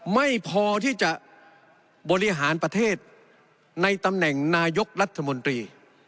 ไม่พอที่จะบริหารประเทศในตำแหน่งนายกรัฐมนตรี